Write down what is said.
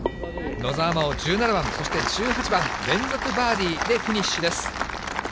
野澤真央、１７番、そして１８番、連続バーディーでフィニッシュです。